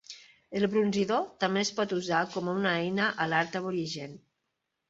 El brunzidor també es pot usar com a una eina a l"art aborigen.